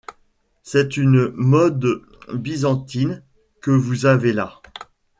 C’est une mode byzantine que vous avez là.